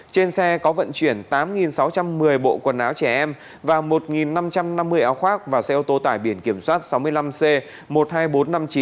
trên xe có vận chuyển tám sáu trăm một mươi bộ quần áo trẻ em và một năm trăm năm mươi áo khoác và xe ô tô tải biển kiểm soát sáu mươi năm c một mươi hai nghìn bốn trăm năm mươi chín